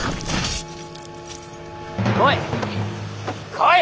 来い。